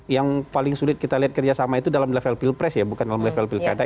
yang paling sulit kita lihat kerjasama itu dalam level pilpres ya bukan dalam level pilkada